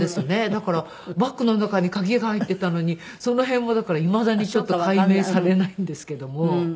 だからバッグの中に鍵が入っていたのにその辺もだからいまだに解明されないんですけども。